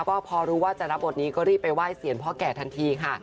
ก็พอรู้ว่าจะรับบทนี้ก็รีบไปไห้เสียงพ่อแก่ทันทีค่ะ